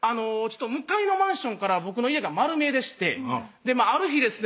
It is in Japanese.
向かいのマンションから僕の家が丸見えでしてある日ですね